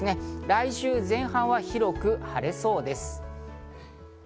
来週前半は広く晴れそうです。